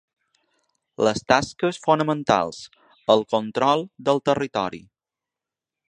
Les tasques fonamentals: el control del territori.